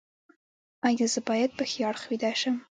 ایا زه باید په ښي اړخ ویده شم؟